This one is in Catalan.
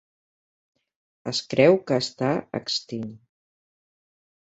Es creu que està extint.